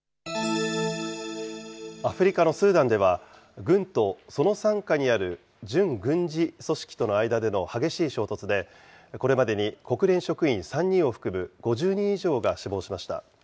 アフリカのスーダンでは、軍とその傘下にある準軍事組織との間での激しい衝突で、これまでに国連職員３人を含む５０人以上が死亡しました。